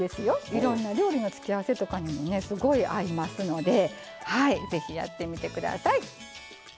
いろんな料理の付け合わせにもすごい合いますのでぜひ、やってみてください。